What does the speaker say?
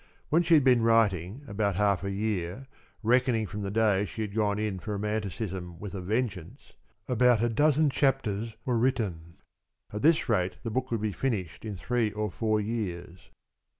When she had been writing about half a year, reckoning from the day when she had gone in for romanticism with a vengeance, about a dozen chapters were written. At this rate the book would be finished in three or four years.